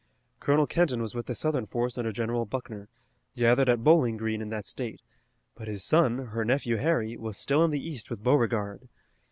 Colonel Kenton was with the Southern force under General Buckner, gathered at Bowling Green in that state, but his son, her nephew Harry, was still in the east with Beauregard.